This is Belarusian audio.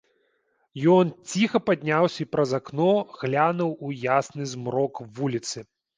Ён ціха падняўся і праз акно глянуў у ясны змрок вуліцы.